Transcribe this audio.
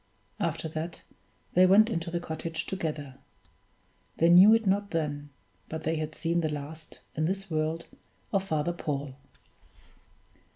After that, they went into the cottage together. They knew it not then, but they had seen the last, in this world, of Father Paul.